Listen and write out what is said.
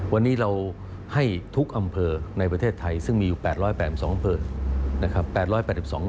วันนี้เราให้ทุกอำเภอในประเทศไทยซึ่งมีอยู่๘๘๒อำเภอนะครับ